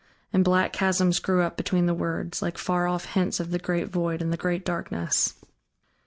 And black chasms grew up between the words like far off hints of the great void and the great darkness.